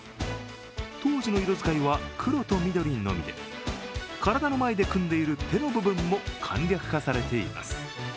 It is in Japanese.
当時の色使いは黒と緑のみで体の前で組んでいる手の部分も簡略化されています。